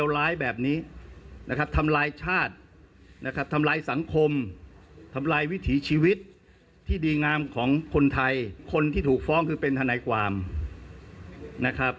รายละห้าแสนนะคะ